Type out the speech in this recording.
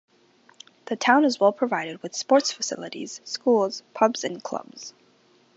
The town is well provided with sports facilities, schools, pubs and clubs.